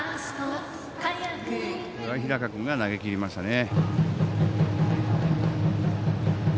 日高君が投げきりましたね。